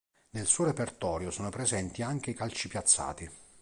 Nel suo repertorio sono presenti anche i calci piazzati.